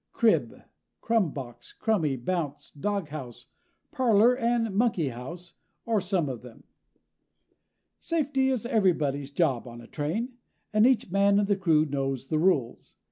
Crib, crum box, crummy, bounce, doghouse, parlor and monkey house are some of them. Safety is everybody's job on a train, and each man in the crew knows the rules.